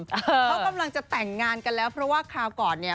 เขากำลังจะแต่งงานกันแล้วเพราะว่าคราวก่อนเนี่ย